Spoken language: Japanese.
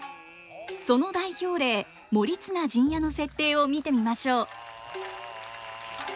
その代表例「盛綱陣屋」の設定を見てみましょう。